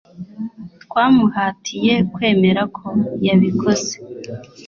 Twamuhatiye kwemera ko yabikoze